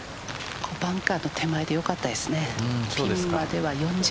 バンカーの手前でよかったですね。